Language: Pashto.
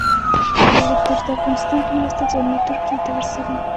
دوی غوښتل چې د افغانستان په مرسته ځانونه ترکیې ته ورسوي.